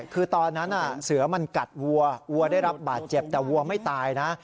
คือตอนนั้นเสือมันกัดวัววัวได้รับบาดเจ็บแต่วัวไม่ตายนะ